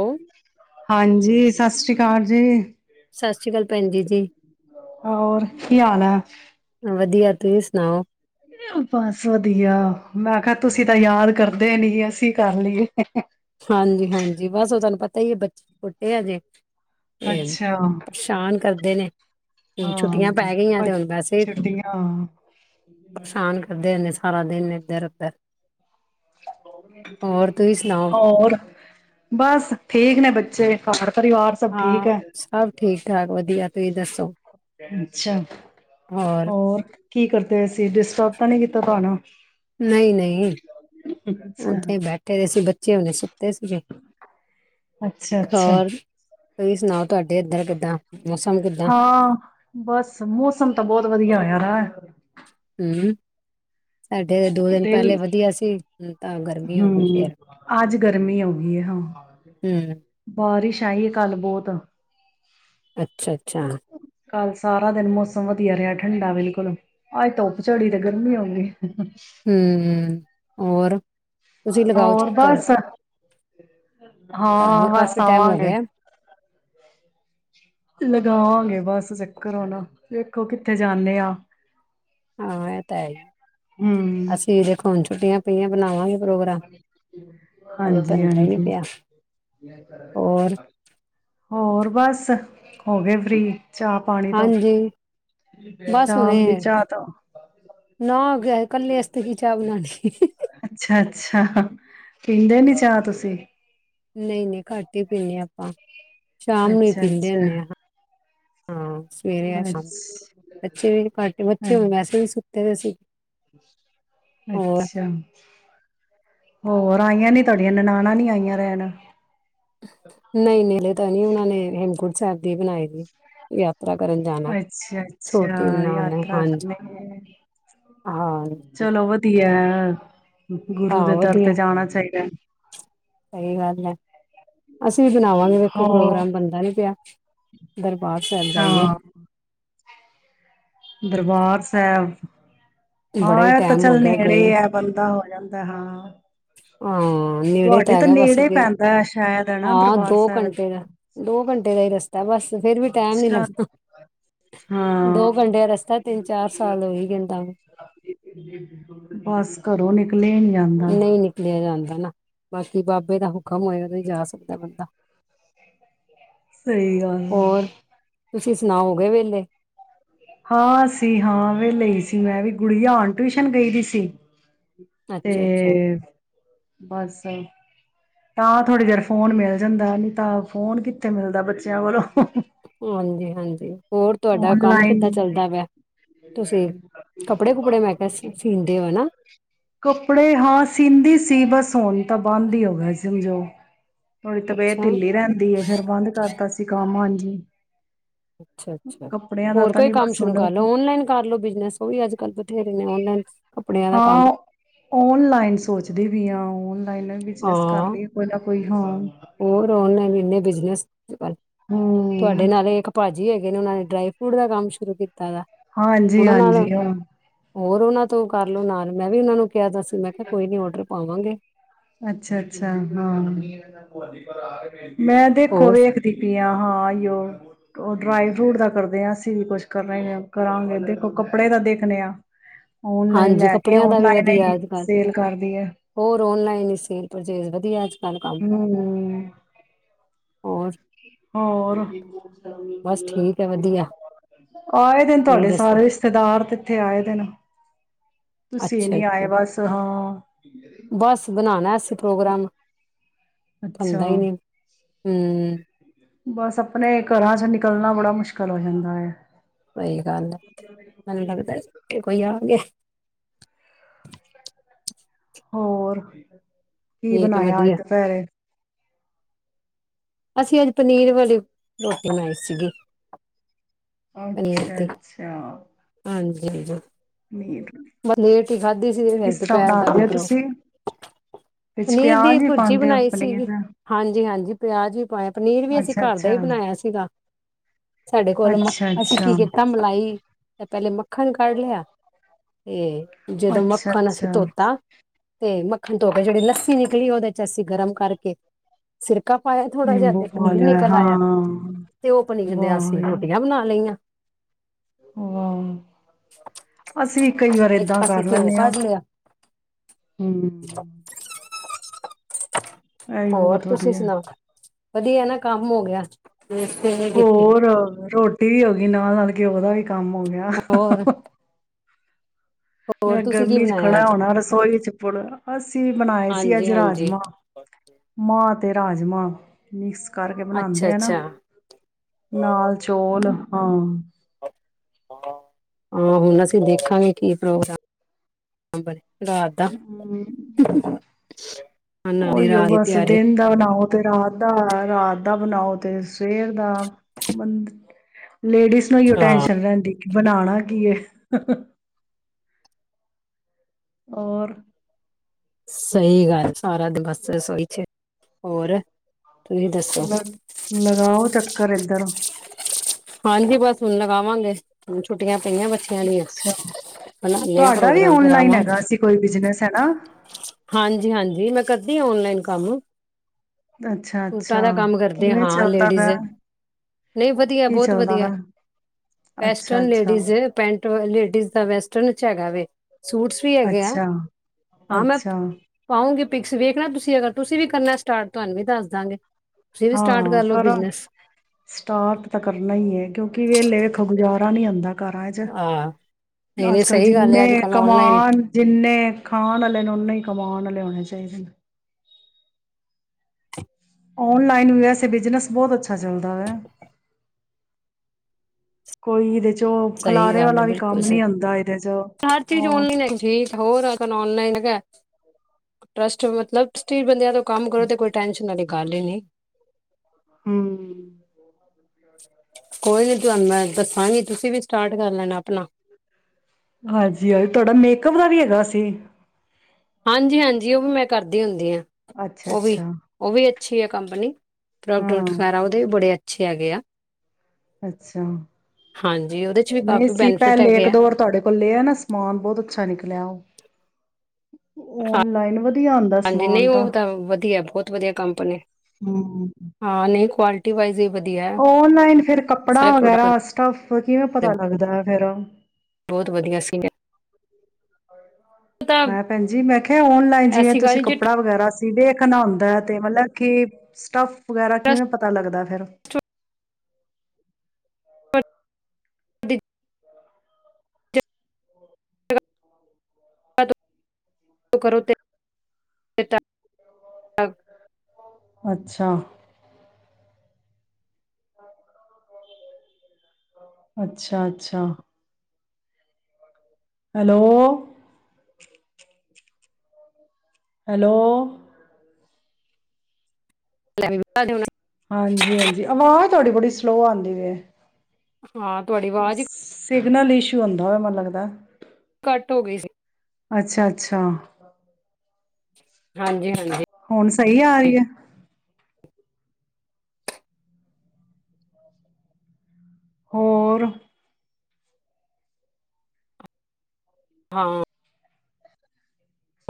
Hello, ਹਾਂਜੀ ਸਤਿ ਸ੍ਰੀ ਕਾਲ ਜੀ ਸਾਸ ਸ਼੍ਰੀ ਕਾਲ ਭੈਨ ਜੀ, ਜੀ ਹੋਰ ਕੀ ਹਾਲ ਏ ਤੁਸੀ ਸੁਨਾਓ ਬਸ ਵਧੀਆ, ਮੈਂ ਕਿਹਾ ਤੁਸੀ ਤਾ ਯਾਦ ਕਰਦੇ ਨੀ ਅਸੀ ਕਰ ਲਈਏ ਹਾਂਜੀ-ਹਾਂਜੀ ਬਸ ਉਹ ਤੁਹਾਨੂੰ ਪਤਾ ਪਤਾ ਹੀ ਬੱਚੇ ਛੋਟੇ ਹਜੇ ਤੇ ਅੱਛਾ ਪਰੇਸ਼ਾਨ ਕਰਦੇ ਨੇ ਹੁਨ ਹਾਂ ਛੁੱਟੀਆਂ ਪੈ ਗਈਆਂ ਤੇ ਹੁਨ ਵੈਸੇ, ਛੁੱਟੀਆਂ ਪਰੇਸ਼ਾਨ ਕਰਦੇ ਰੇਂਦੇ ਸਾਰਾ ਦਿਨ ਏਦਰ ਉਦਰ ਸੁਣਾਓ? ਹੋਰ ਬਸ ਠੀਕ ਨੇ ਬੱਚੇ ਕਾਰ ਹਾਂ ਸਭ ਠੀਕ ਠਾਕ ਵਧੀਆ ਤੁਸੀਂ ਦੱਸੋ? ਅੱਛਾ ਹੋਰ ਕੀ ਕਰਦੇ ਅਸੀਂ ਡਿਸਟਰਬ ਤਾਂ ਨਹੀ ਕੀਤਾ ਤੁਹਾਨੂੰ ਨਹੀਂ ਨਹੀਂ ਅੱਛਾ ਓਦਾਂ ਹੀ ਬੈਠੇ ਦੇ ਸੀ ਬੱਚੇ ਉਹਨ ਸੁੱਤੇ ਸੀਗੇ ਅੱਛਾ ਅੱਛਾ ਹੋਰ ਤੁਸੀਂ ਸੁਣਾਓ ਤੁਹਾਡੇ ਇੱਧਰ ਕਿੱਦਾਂ ਮੌਸਮ ਕਿੱਦਾਂ? ਹਾਂ ਬਸ ਮੌਸਮ ਤਾਂ ਬਹੁਤ ਵਧੀਆ ਹੋ ਯਾਰ ਹਮ ਦਿਲ ਤਾਂ ਗਰਮੀ ਹੋ ਹਮ ਗਈ ਫੇਰ ਆਜ ਗਰਮੀ ਹੋ ਗਈ ਹੈ ਹਾਂ ਹੂੰ। ਬਾਰਿਸ਼ ਸ਼ਾਹੀ ਕੱਲ ਬਹੁਤ ਅੱਛਾ ਅੱਛਾ ਕੱਲ੍ਹ ਸਾਰਾ ਦਿਨ ਮੌਸਮ ਵਧੀਆ ਰਿਹਾ ਠੰਡਾ ਬਿਲਕੁਲ ਅਜ ਧੁੱਪ ਝੜੀ ਤੇ ਗਰਮੀ ਹੋਗੀ ਹਮ ਹਮ ਹੋਰ ਤੁਸੀਂ ਲਗਾਓ ਹੋਰ ਚੱਕਰ ਬਸ ਤੁਹਾਨੂੰ ਹਾਂ ਵੀ ਬਸ ਕਾਫੀ ਟਾਈਮ ਹੋ ਆਵਾਂਗੇ ਗਿਆ। ਲਗਾਵਾਂਗੇ ਬਸ ਚੱਕਰ ਹੋ ਨਾ ਵੇਖੋ ਕਿੱਥੇ ਜਾਂਦੇ ਆ ਹਾਂ ਇਹ ਤਾਂ ਹੈ ਹਮ ਅਸੀਂ ਵੀ ਦੇਖੋ ਹਣ ਛੁੱਟੀਆਂ ਪਈਆਂ ਬਣਾਵਾਂਗੇ ਪ੍ਰੋਗਰਾਮ ਹਜੇ ਹਾਂਜੀ ਬਣਦਾ ਹੀ ਨੀ ਹਾਂਜੀ ਪਿਆ ਹੋਰ ਹੋਰ ਬਸ ਹੋ ਗਏ ਫਰੀ ਚਾਹ ਪਾਣੀ ਤੋਂ ਹਾਂਜੀ ਬਸ ਹੁਣੇ ਸ਼ਾਮ ਦੀ ਚਾਹ ਤੋਂ ਨਾ ਕਲੇ ਵਾਸਤੇ ਕੀ ਚਾਹ ਬਣਾਉਣੀ ਅੱਛਾ ਅੱਛਾ ਪੀਂਦੇ ਨੀ ਚਾਹ ਤੁਸੀਂ ਨਹੀਂ ਨਹੀਂ ਘੱਟ ਹੀ ਪੀਦੇ ਆਪਾਂ ਸ਼ਾਮ ਨੂੰ ਹੀ ਅੱਛਾ ਪੀਂਦੇ ਅੱਛਾ ਹੁੰਦੇ ਆ ਹਾਂ ਸਵੇਰੇ ਆ ਸ਼ਾਮ ਅੱਛ ਬੱਚੇ ਵੀੇ ਬੱਚੇ ਹੋਏ ਵੈਸੇ ਵੀ ਤੇ ਤੁਸੀਂ ਅੱਛਾ ਹੋਰ ਆਈਆਂ ਨੀ ਤੁਹਾਡੀਆਂ ਨਨਾਣਾਂ ਨੀ ਆਈਆਂ ਰਹਿਣ ਨਹੀਂ ਨੇਲੇ ਤਾਂ ਨਹੀ ਉਹਨਾ ਨੇ ਹੇਮਕੂਟ ਸਰਦੀ ਬਣਾਈ ਦੀ ਕਰਨ ਜਾਣਾ ਅੱਛਾ ਅੱਛਾ ਛੋਟੀ ਨਨਾਣ ਨੇ ਯਾਤਰਾ ਹਾਂਜੀ ਕਰਨ ਹਾਂ ਚਲੋ ਵਧੀਆ ਹਾਂ ਗੁਰੂ ਦੇ ਆਹੋ ਦਰ ਵਧੀਆ ਤੇ ਜਾਣਾ ਚਾਹੀਦਾ ਸਹੀ ਗੱਲ ਹੈ। ਅਸੀਂ ਵੀ ਬਣਾਵਾਂਗੇ ਵੇਖੋ ਹੋਰ ਪ੍ਰੋਗਰਾਮ ਬਣਦਾ ਨੀ ਪਿਆ, ਦਰਬਾਰ ਸਾਹਿਬ ਜਾਈਏ। ਹਾਂ ਦਰਬਾਰ ਸਾਹਿਬ। ਬੜਾ ਹਾਂ ਹੀ ਇਹ ਤਾਂ ਟਾਈਮ ਹੋ ਚੱਲ ਗਿਆ ਨੇੜੇ ਗਏ ਏ ਬੰਦਾ ਜਾਂਦਾ ਹਾਂ ਹਾਂ। ਨੇੜੇ ਤੁਹਾਡੇ ਤਾਂ ਹੈਗਾ ਬਸ ਨੇੜੇ ਤੇ ਪੈਂਦਾ ਹੈ ਸ਼ਾਇਦ ਹੈਨਾ ਹਾਂ ਦਰਬਾਰ ਦੋ ਸਾਹਿਬ, ਘੰਟੇ ਦਾ ਦੋ ਘੰਟੇ ਦਾ ਹੀ ਰਸਤਾ ਬਸ ਫੇਰ ਵੀ ਟਾਈਮ ਨੀ ਹਾਂ ਲੱਗਦਾ ਦੋ ਘੰਟੇ ਦਾ ਰਸਤਾ ਤਿੰਨ ਚਾਰ ਸਾਲ ਹੋਈ ਕਹਿੰਦਾ ਬਸ ਘਰੋਂ ਨਿਕ [unintelligible] ਨਹੀਂ ਨਿਕਲਿਆ ਜਾਂਦਾ ਨਾ। ਬਾਕੀ ਬਾਬੇ ਦਾ ਹੁਕਮ ਹੋਆ, ਉਦੋਂ ਹੀ ਜਾ ਸਕਦਾ ਬੰਦਾ। ਸਹੀ ਗੱਲ। ਹੋਰ ਤੁਸੀਂ ਸੁਣਾਓ ਹੋ ਗਏ ਵੇਲੇ? ਹਾਂ ਸੀ ਹਾਂ ਵੇਲੇ ਹੀ ਸੀ ਮੈਂ ਵੀ, ਗੁੜੀਆਂ ਹੁਣ ਟਿਊਸ਼ਨ ਗਈ ਦੀ ਸੀ। ਅੱਛਾ-ਅੱਛਾ। ਤੇ ਬਸ ਤਾਂ ਥੋੜੀ ਦੇਰ ਫੋਨ ਮਿਲ ਜਾਂਦਾ ਏ, ਨੀ ਤਾਂ ਫੋਨ ਕਿੱਥੇ ਮਿਲਦਾ ਏ ਬੱਚਿਆਂ ਕੋਲੋਂ। ਹਾਂਜੀ-ਹਾਂਜੀ। ਤੇ ਓਨਲਾਈਨ, ਤੁਸੀਂ ਕੱਪੜੇ ਕੁਪੜੇ ਮੈਂ ਕਿਹਾ ਸੀਂਦੇ ਹੋ ਨਾ ਕੱਪੜੇ ਹਾਂ ਸਿੰਦੀ ਸੀ, ਬਸ ਹੁਣ ਤਾਂ ਬੰਦ ਹੀ ਹੋ ਗਿਆ ਸਮਝੋ। [inaudible] ਥੋੜੀ ਤਬੀਅਤ ਅੱਛਾ, ਢਿੱਲੀ ਰਹਿੰਦੀ ਏ, ਫੇਰ ਬੰਦ ਕਰਤਾ ਸੀ ਕੰਮ ਆ ਜੀ। ਅੱਛਾ-ਅੱਛਾ, ਹੋਰ ਕੋਈ ਕੰਮ ਸ਼ੁਰੂ ਹੁਣ ਕਰ ਲੋ, ਔਨਲਾਈਨ ਕਰ ਲੋ ਬਿਜਨੇਸ, ਉਹ ਵੀ ਅੱਜਕਲ [unintelligible] ਔਨਲਾਈਨ ਕੱਪੜਿਆਂ ਦਾ ਕੰਮ। ਹਾਂ [unintelligible] ਲਾਈਨ ਬਿਜਨਸ ਕਰ ਹਾਂ ਲਈਏ ਕੋਈ ਨਾ ਕੋਈ ਹਾਂ। ਹੋਰ ਔਨਲਾਈਨ ਇੰਨੇ ਬਿਜਨੇਸ ਤੁਹਾ, ਹਮ ਤੁਹਾਡੇ ਨਾਲ ਇੱਕ ਪਾ ਜੀ ਹੈਗੇ ਨੇ, ਉਹਨਾਂ ਨੇ ਡਰਾਈ ਫਰੂਟ ਦਾ ਕੰਮ ਸ਼ੁਰੂ ਕੀ ਹਾਂਜੀ-ਹਾਂਜੀ, ਹ। ਹੋਰ ਉਹਨਾਂ ਤੋਂ ਕਰਲੋ ਨਾਲ, ਮੈਂ ਵੀ ਉਹਨਾਂ ਨੂੰ ਕਿਹਾ ਦਾ ਸੀ, ਮੈਂ ਕਿਹਾ ਕੋਈ ਨੀ ਔਡਰ ਪਾਵਾਂਗੇ। ਅੱਛਾ-ਅੱਛਾ, ਹਾਂ। ਮੈਂ ਦੇਖੋ ਹੋਰ ਵੇਖਦੀ ਪੀਆ। ਹਾਂ ਆਇਓ, ਉਹ ਡਰਾਈ ਫਰੂਟ ਦਾ ਕਰਦੇ ਹਾਂ, ਅਸੀਂ ਵੀ ਕੁਛ ਕਰਨਾ ਹੀ ਆ, ਕਰਾਂਗੇ ਦੇਖੋ ਕੱਪੜੇ ਦਾ ਦੇਖਣੇ ਆ। ਓਨਲਾਈਨ ਹਾਂਜੀ ਲੈ ਕੇ। ਕੱਪੜਿਆਂ ਦਾ ਵੀ ਓਨਲਾਈਨ ਵਧੀਆ ਹੀ ਸੇਲ ਕਰਦੀ ਆ ਸੇਲ-ਪਰਚੇਸ ਵਦੀਆ ਹੂੰ। ਹੋਰ ਹੋਰ। ਬਸ ਠੀਕ ਹੈ ਵਧੀਆ ਆਏ ਦੇਨ ਤੁਸੀਂ ਤੁਆਡੇ ਦੱਸੋ ਸਾਰੇ ਰਿਸ਼ਤੇਦਾਰ ਇਥੇ ਆਏ ਦੇਨ। ਤੁਸੀਂ ਅੱਛਾ ਨਈ ਆਏ ਅੱਛਾ ਬਸ, ਹਾਂ ਬਸ ਬਨਾਨਾ ਸੀ ਪ੍ਰੋਗਰਾਮ, ਅੱਛਾ ਬਨਦਾ ਹੀ ਨਈ, ਹੂੰ। ਬਸ ਅਪਨੇ ਘਰਾਂ ਚ ਨਿਕਲਣਾ ਬੜਾ ਮੁਸ਼ਕਲ ਹੋ ਜਾਂਦਾ ਏ। ਸਹੀ ਗੱਲ ਆ, ਮੈਨੂੰ ਲੱਗਦਾ ਕੋਈ ਆ ਗੇਆ। ਹੋਰ। ਕੀ ਠੀਕ ਹੈ ਬਨਾਯਾ ਅਜ ਵਧੀਆ ਦੁਪੈਰੇ? ਅਸੀ ਅੱਜ ਪਨੀਰ ਵਾਲੀ ਰੋਟੀ ਬਨਾਈ ਸੀਗੀ। ਪਨੀਰ ਦੀ ਅੱਛਾ-ਅੱਛਾ। ਹਾਂਜੀ, ਹਾਂਜੀ। ਬ ਲੇਟ ਈ ਖਾਧੀ ਸੀ ਤੇ ਫੇਰ ਕਿਸ ਤਰ੍ਹਾਂ ਦੁਪੈਰ ਦਾ ਬਣਾਉਂਦੇ ਕੋਈ ਹੋ ਪ੍ਰੋ। ਤੁਸੀਂ ਵਿੱਚ ਪਨੀਰ ਦੀ ਪਿਆਜ ਵੀ ਭੁਜੀ ਪਾਉਂਦੇ ਹੋ ਬਨਾਈ ਪਨੀਰ ਸੀਗੀ। ਦਾ? ਹਾਂਜੀ, ਹਾਂਜੀ, ਪਿਆਜ ਵੀ ਪਾਯਾ ਪਨੀਰ ਵੀ ਅਸੀਂ ਅੱਛਾ ਘਰ ਦਾ ਅੱਛਾ ਹੀ ਬਨਾਇਆ ਸੀਗਾ। ਸਾਡੇ ਕੋਲ ਮ, ਅੱਛਾ ਨਾ ਅਸੀਂ ਕੀ ਅੱਛਾ ਕੀਤਾ ਮਲਾਈ ਪੈਲੇ ਮੱਖਣ ਕੱਢ ਲਿਆ, ਤੇ ਜਦੋ ਅੱਛਾ ਮੱਖਣ ਅੱਛਾ ਅਸੀਂ ਧੋਤਾ, ਤੇ ਮ ਮਖਣ ਧੋ ਕੇ ਜੇੜੀ ਲੱਸੀ ਨਿਕਲੀ ਓਦੇ ਚ ਅਸੀਂ ਗਰਮ ਕਰਕੇ ਸਿਰ ਕਾ ਪਾਇਆ ਥੋੜਾ ਜਿਹਾ ਨਿੰਬੂ ਤੇ ਪਾ ਪਨੀਰ ਲਿਆ ਨਿਕਲ ਆਯਾ, ਹਾਂ ਤੇ ਓ ਪਨੀਰ ਦੇ ਅਸੀ ਰੋਟੀਆਂ ਬਨਾ ਲਈਆਂ। ਵਾ, ਅਸੀ ਕਈ ਵਾਰ ਇੱਕ ਏਦਾਂ ਪਾਸੇ ਕਰ ਘਿਓ ਲੈਨੇ ਆ, ਕੱਢ ਲਿਆ ਹੂੰ। ਹੋਰ ਬਹੁਤ ਤੁਸੀਂ ਵਧੀਆ ਸੁਨਾਓ? ਵਦੀਆ ਨਾ ਕੰਮ ਓ ਗਿਆ। ਵੇਸਟ ਨਹੀਂ ਕੀਤੀ ਹੋਰ ਰੋਟੀ ਵੀ ਹੋ ਗਈ ਨਾਲ, ਨਾਲ ਘਿਓ ਦਾ ਵੀ ਕੰਮ ਹੋ ਗੇਆ। ਹੋਰ ਹੋਰ ਐ ਤੁਸੀਂ ਕੀ ਗਰਮੀ ਚ ਬਣਾਇਆ ਖੜਾ ਅੱਜ ਹੋਣਾ ਰਸੋਈ ਚ ਪੜ, ਅਸੀਂ ਬਨਾਏ ਸੀ ਹਾਂਜੀ ਅੱਜ ਹਾਂਜੀ ਰਾਜਮਾਂ, ਮਾਂ ਤੇ ਰਾਜਮਾਂ ਮਿਸ ਕਰਕੇ ਅੱਛਾ ਬਨਾਦੇ ਆ ਨਾ, ਅੱਛਾ ਨਾਲ ਚੋਲ ਹਾਂ। ਹਾਂ, ਹੁਨ ਅਸੀਂ ਦੇਖਾਂਗੇ ਕੀ ਪ੍ਰੋਗਰਾਮ ਬਨੇਆ। ਰਾਤ ਦਾ ਖਾਣਾ ਦੀ ਉਹੀਓ ਰਾਤ ਦੀ ਬਸ ਤਿਆਰੀ ਦਿਨ ਦਾ ਬਣਾਓ ਰਾਤ ਦਾ ਰਾਤ ਦਾ ਬਣਾਓ ਤੇ ਸਵੇਰ ਦਾ ਮੰ ਲੇਡੀਜ਼ ਨੂੰ ਹੀਓ ਹਾਂ ਟੈਨਸ਼ਨ ਰਹਿੰਦੀ ਕਿ ਬਣਾਉਣਾ ਕੀ ਹੈ ਔਰ ਸਹੀ ਗੱਲ ਸਾਰਾ ਦਿ ਬਸ ਸੋਹੀ ਚ ਹੋਰ ਤੁਸੀਂ ਦੱਸੋ ਲ ਲਗਾਓ ਚੱਕਰ ਇੱਧਰ ਹਾਂਜੀ ਬਸ ਹੁਣ ਲਗਾਵਾਂਗੇ ਛੁੱਟੀਆਂ ਪਈਆਂ ਬੱਚਿਆਂ ਦੀਆਂ ਅੱਛਾ ਬਣਾਉਂਦੇ ਆ ਤੁਹਾਡਾ ਵੀ ਪ੍ਰੋਗਰਾਮ ਫਿਰ ਓਨਲਾਈਨ ਆਵਾਂਗੇ ਹੈਗਾ ਅਸੀ ਕੋਈ ਬਿਜਨਸ ਹੈ ਨਾ ਜ ਮੈਂ ਕਰਦੀ ਹ ਔਨਲਾਈਨ ਕੰਮ ਅੱਛਾ ਸੂਟਾਂ ਅੱਛਾ ਦਾ ਕੰਮ ਕਰਦੇ ਕਿਵੇਂ ਹਾਂ ਚੱਲਦਾ ਲੇਡੀਜ਼ ਪਿਆ ਨਹੀਂ ਵਧੀਆ ਕੀ ਬਹੁਤ ਚੱਲਦਾ ਪਿਆ ਅੱਛਾ ਵੈਸਟਰਨ ਅੱਛਾ ਲੇਡੀਜ਼ ਪੈਂਟ ਲੇਡੀਜ਼ ਦਾ ਵੈਸਟਰਨ ਚ ਹੈਗਾ ਵ ਸੂਟਸ ਵੀ ਹੈਗੇ ਆ ਅੱਛਾ ਹਾਂ ਮੈਂ ਅੱਛਾ ਪਾਉਂਗੀ ਪਿਕਸ ਵੇਖਣਾ ਤੁਸੀਂ ਅਗਰ ਤੁਸੀਂ ਵੀ ਕਰਨਾ ਸਟਾਰਟ ਤੁਹਾਨੂੰ ਵੀ ਦੱਸ ਦਾਂਗੇ ਤੁਸੀਂ ਵੀ ਸਟਾਰਟ ਹਾਂ ਕਰ ਲਓ ਕਰਾਂ ਬਿਜਨਸ ਸਟਾਰਟ ਤਾਂ ਕਰਨਾ ਹੀ ਹੈ। ਕਿਉਂਕਿ ਵੇਲੇ ਰਖਾ ਗੁਜ਼ਾਰਾ ਗੁਜਾ ਨਹੀਂ ਹੁੰਦਾ। ਘਰਾਂ ਚ ਹਾਂ ਨਹੀਂ ਅੱਜ ਨਹੀਂ -ਕੱਲ ਸਹੀ ਗੱਲ ਹੈ ਜਿੰਨੇ ਅੱਜ ਕੱਲ ਔਨਲਾਈਨ ਕਮਾਨ ਜਿੰਨੇ ਖਾਣ ਵਾਲੇ ਨੂੰ ਨਾਂ ਹੀ ਕਮਾਉਣ ਵਾਲੇ ਹੋਣੇ ਚਾਹੀਦੇ ਨੇ। ਆਨਲਾਈਨ ਵੈਸੇ ਬਿਜਨਸ ਬਹੁਤ ਅੱਛਾ ਚੱਲਦਾ ਵੇ ਕੋਈ ਇਹਦੇ ਚ ਤੋਂ ਸਹੀ ਖਿਲਾਰੇ ਗੱਲ ਹੈ ਵਾਲਾ ਵੀ ਬਿਲਕੁਲ ਕੰਮ ਸਹੀ ਨੀ ਹੁੰਦਾ ਇਹਦੇ ਚ ਉਹ ਆਨਲਾਈਨ ਟਰੱਸਟ ਮਤਲਬ ਸਟੀਰ ਬੰਦਿਆਂ ਤੋਂ- ਕੰਮ ਕਰੋ ਤੇ ਕੋਈ ਟੈਂਨਸ਼ਨ ਨਾ ਲ। ਕਾਲ ਨੇ। ਹਮ। ਕੋਈ ਨੀ ਤੁਹਾਨੂੰ ਮੈਂ ਦੱਸਾਂਗੀ ਤੁਸੀਂ ਵੀ ਸਟਾਰਟ ਕਰ ਲੈਣਾ ਆਪਣਾ। ਹਾਂਜੀ ਹਾਂਜੀ ਤੁਹਾਡਾ ਮੇਕਅਪ ਦਾ ਵੀ ਹੈਗਾ ਸੀ। ਹਾਂਜੀ ਹਾਂਜੀ ਉਹ ਵੀ ਮੈਂ ਕਰਦੀ ਹੁੰਦੀ ਹਾਂ। ਅੱਛਾ ਉਹ ਵੀ ਅੱਛਾ ਉਹ ਵੀ ਅੱਛੀ ਹੈ ਕੰਪਨੀ ਪ੍ਰੋਡਕਟ ਹਾਂ ਵੈਰਾ ਉਹਦੇ ਵੀ ਬੜੇ ਅਛ ਪੁੱਛਿਆ ਗਿਆ। ਅੱਛਾ ਹਾਂਜੀ ਉਹਦੇ ਚ ਵੀ ਨਹੀਂ ਕਾਫੀ ਸੀ ਬੈਨੀਫਿਟ ਪੈਲੇ ਹੈਗੇ ਇੱਕ ਆ ਦੋ ਵਾਰ ਤੁਹਾਡੇ ਕੋਲ ਲਿਆ ਨਾ ਸਮਾਨ ਬਹੁਤ ਅੱਛਾ ਨਿਕਲਿਆ ਉਹ। ਔਨਲਾਈਨ ਵਧ ਹਾਂਜੀ ਨਹੀਂ ਉਹ ਤਾਂ ਵਧੀਆ ਬਹੁਤ ਵਧੀਆ ਕੰਪਨੀ ਹਾਂ ਨਹੀਂ ਕੁਆਲ ਡਿਵਾਈਸਸ। ਓਨਲਾਈਨ ਫਿਰ ਕੱਪੜਾ ਪ੍ਰੋਡਕਟ ਵਗੈਰਾ ਸਟਫ। ਫਿਰ ਕਿਵੇਂ ਪਤਾ ਲੱਗਦਾ ਹੈ ਫੇਰ। ਬਹੁਤ ਵਧੀਆ ਸੀ ਤਾਂ ਹੈਂ ਭੈਣਜੀ, ਮੈਂ ਕੇਹਾ ਓਨਲਾਈਨ ਜਿਵੇ ਐਸੀ ਗੱਲ ਤੁਸੀ ਨੀ, ਜੇ ਕੱਪੜਾ ਵਗੈਰਾ ਦੇਖਣਾ ਹੁੰਦਾ ਤੇ ਮਲਬ ਕਿ ਸਟਫ ਵਗੈਰਾ ਟਰੱਸਟ ਕਿਵੇਂ ਪਤਾ ਲੱਗਦਾ ਫਿਰ? ਦੀ ਜਗ੍ਹਾ ਕਰੋ ਤੇ, ਕਰੋ ਤਾਂ, ਟਾ ਅੱਛਾ। [unintelligible] ਅੱਛਾ-ਅੱਛਾ। ਹੈਲੋ। ਹੈਲੋ। [inaudible] ਹਾਂਜੀ-ਹਾਂਜੀ ਆਵਾਜ ਤੋਡੀ ਬੜ੍ਹੀ ਸਲੋ ਆਂਦੀ ਵੀ ਐ। ਹਾਂ, ਤੁਆਡੀ ਆਵਾਜ ਈ ਸਿਗਨਲ ਇਸ਼ੂ ਆਂਦਾ ਮਨੂੰ ਲੱਗਦਾ। ਘੱਟ ਹੋ ਗਈ ਸੀ। ਅੱਛਾ-ਅੱਛਾ। ਹਾਂਜੀ ਹੁਣ ਸਈ ਆ ਰਈ ਐ? ਹੋਰ ਹਾਂ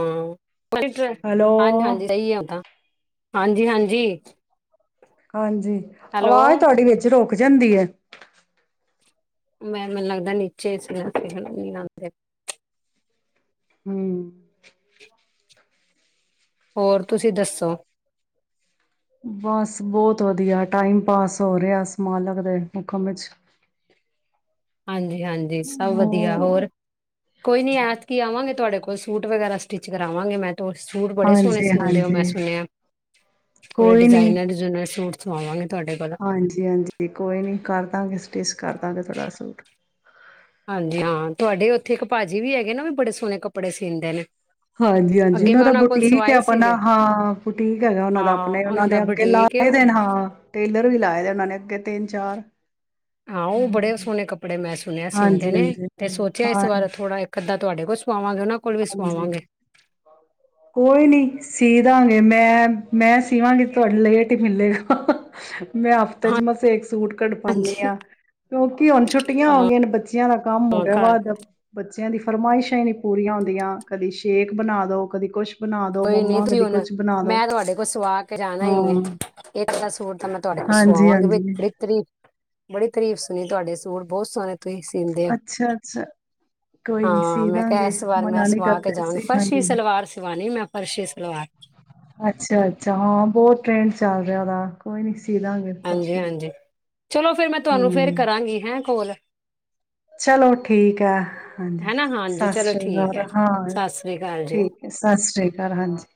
ਹਮ ਹਾਂਜੀ ਹੈਲੋ ਹਾਂਜੀ ਸਹੀ ਆ ਓਦਾਂ ਹਾਂਜੀ ਹਾਂਜੀ! ਹਾਂਜੀ ਹੈਲੋ ਆਵਾਜ਼ ਤੁਹਾਡੀ ਵਿੱਚ ਰੁਕ ਜਾਂਦੀ ਯੈ। ਮੈਂ ਮੈਨੂੰ ਲੱਗਦਾ ਨੀਚੇ ਸੀ ਆਉਂਦੇ ਹਮ ਹੋਰ ਤੁਸੀਂ ਦੱਸੋ? ਬਸ ਬਹੁਤ ਵਧੀਆ ਟਾਈਮ ਪਾਸ ਹੋ ਰਿਯਾ, ਓਸ ਮਾਲਕ ਦੇ ਹੁਕਮ ਵਿੱਚ। ਹਾਂਜੀ! ਹਾਂਜੀ, ਸਭ ਵਧੀਆ। ਹੋ ਹੋਰ ਕੋਈ ਨੀ ਐਤਕੀ ਆਵਾਂਗੇ ਤੁਹਾਡੇ ਕੋਲ। ਕੋਈ ਸੂਟ ਵਗੈਰਾ ਸਟਿਚ ਕਰਾਵਾਂਗੀ। ਮੈਂ ਕੋਈ ਸੂਟ ਬੜੇ ਸੋਹਣੇ ਸਿੰਦੇ ਹਾਂਜੀ-ਹਾਂਜੀ ਮੈਂ ਸੁਣਿਆ, ਥੋੜਾ ਡਿਜਾਇਨਰ ਡਿਜੂਨਰ ਸੂਟ ਸਆਵਾਂਗੇ। ਹਾਂਜੀ ਹਾਂਜੀ, ਕੋਈ ਨੀ ਕਰਦਾਗੇ ਸਟਿਸ। ਕਰਦਾਂਗੇ ਤੁਹਾਡਾ ਆ ਸੂਟ। ਹਾਂਜੀ, ਹਾਂ, ਤੁਹਾਡੇ ਉੱਥੇ ਇੱਕ ਭਾਜੀ ਵੀ ਹੈਗੇ ਨਾ, ਉਹ ਵੀ ਬੜੇ ਸੋਹਣੇ ਕੱਪੜੇ ਸੀਂਦੇ ਨੇ। ਹਾਂਜੀ, ਹਾਂਜੀ, ਅੱਗੇ ਉਹਨਾਂ ਮੈਂ ਦਾ ਕੋਲ ਬੁਟੀਕ ਹੈ ਸਵਾਏ ਆਪਣਾ, ਸੀਗੇ ਹਾਂ ਬੁਟੀਕ ਹੈਗਾ ਉਹਨਾਂ ਦਾ ਹਾਂ ਆਪਣੇ ਉਹਨਾਂ ਦਾ ਦੇ ਅੱਗੇ ਲਾ ਬੁਟੀਕ ਏ। ਤੇ ਦੇਣਾ ਟੇਲਰ ਵੀ ਲਾਏ ਦੇ ਉਹਨਾਂ ਨੇ ਅੱਗੇ ਤਿੰਨ ਚਾਰ। ਹਾਂ ਉਹ ਬੜੇ ਹੂੰ। ਸੋਹਣੇ ਕੱਪੜੇ ਮੈਂ ਸੁਣਿਆ ਸੀਂਦੇ ਨੇ, ਹਾਂਜੀ-ਹਾਂਜੀ ਤੇ ਮੈ ਸੋਚਿਆ ਇਸ ਹਾਂ ਬਾਰ ਥੋੜਾ ਇੱਕ ਅੱਧਾ ਤੁਹਾਡੇ ਕੋਲ ਸੁਵਾ ਹਾਂਜੀ, ਕੋਈ ਨੀ ਸੀ ਦਾਂਗੇ ਮੈਂ ਮੈਂ ਸੀਵਾਂਗੀ ਤੁਹਾਡੇ ਲਈ ਲੇਟ ਮਿਲੇਗਾ। ਹ ਹ ਮੈਂ ਹਫ਼ਤੇ ਚ ਮਸੇ ਏਕ ਸੂਟ ਕੱਢ ਪਾਉਦੀ ਹਾਂਜੀ ਹਾਂ, ਕਿਉਂਕਿ ਹੁਣ ਛੁੱਟੀਆਂ ਹੋ ਗਈਆਂ ਹਾਂ ਨੇ ਬੱਚਿਆਂ ਦਾ ਕੰਮ ਹੋ ਗਿਆ ਘਰ ਵਾਦ। ਬੱਚਿਆਂ ਦੀ ਫਰਮਾਇਸ਼ਾਂ ਹੀ ਨਹੀਂ ਪੂਰੀਆਂ ਹੁੰਦਿਆ ਕਦੀ ਸ਼ੇਕ ਬਣਾ ਦੋ ਕਦੀ ਕੁੱਛ ਕੋਈ ਨੀ ਹੁਣ, ਮੈਂ ਤੁਹਾਡੇ ਕੋਲ ਸਵਾ ਕੇ ਜਾਣਾ ਹੀ ਹੇ, ਹਾਂ ਇੱਕ ਅਦਾ ਸੂਟ ਤਾਂ ਮੈਂ ਤੁਹਾਡੇ ਕੋਲ ਹਾਂਜੀ ਸਵਾਵਾਂਗੀ। ਬੀ ਹਾਂਜੀ ਇਕ ਤਰੀ ਬੜੀ ਤਾਰੀਫ਼ ਸੁਣੀ ਤੁਹਾਡੇ ਸੂਟ ਬਹੁਤ ਸੋਹਣੇ ਤੁਸੀਂ ਸੀਂਦੇ ਹੋ ਅੱਛਾ ਅੱਛਾ ਕੋਈ ਨਹੀਂ ਹਾਂ। ਸੀ ਮੈਂ ਕਿਹਾ ਦਾਂਗੇ ਇਸ ਵਾਰ ਮੈਂ ਮਨਾ ਨਹੀਂ ਸਵਾ ਕੇ ਕਰਦੇ ਜਾਵਾਂਗੀ, ਅਸੀਂ ਹਾਂਜੀ ਫਰਸ਼ੀ ਹਾਂਜੀ ਸਲਵਾਰ ਸਵਾਣੀ ਮੈਂ ਫਰਸੀ ਸਲਵਾਰ ਅੱਛਾ ਅੱਛਾ, ਹਾਂ ਬਹੁਤ ਟ੍ਰੇਂਡ ਚੱਲ ਰਿਹਾ ਉਹਦਾ ਕੋਈ ਨੀ ਸੀ ਲਾਂਗੇ ਹਾਂਜੀ ਫਰਸੀ ਹਾਂਜੀ ਚਲੋ ਫਿਰ ਮੈਂ ਤੁਹਾਨੂੰ ਫਿਰ ਹਮ, ਕਰਾਂਗੀ ਹੈਂ ਕੋਲ ਚਲੋ ਠੀਕ ਹੈ। ਹਾਂਜੀ, ਹੈਨਾ ਹਾਂਜੀ ਸਤਿ ਚਲੋ ਸ੍ਰੀ ਠੀਕ ਅਕਾਲ। ਹੈ। ਹਾਂ, ਸਤਿ ਸ੍ਰੀ ਅਕਾਲ ਜੀ। ਠੀਕ ਹੈ, ਸਤਿ ਸ੍ਰੀ ਅਕਾਲ। ਹਾਂਜੀ।